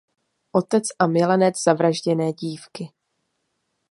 Otec a milenec zavražděné dívky.